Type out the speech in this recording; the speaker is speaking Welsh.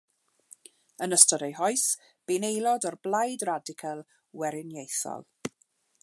Yn ystod ei hoes bu'n aelod o'r Blaid Radical Weriniaethol.